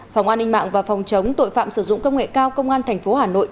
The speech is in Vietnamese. phòng an ninh mạng và phòng chống tội phạm sử dụng công nghệ cao công an tp hà nội